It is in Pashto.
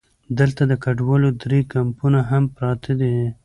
دلته د کډوالو درې کمپونه هم پراته دي.